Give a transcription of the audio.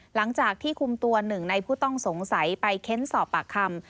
หลังจากที่คุมตัวหนึ่งในผู้ต้องสงสัยไปเค้นสอบปากคำ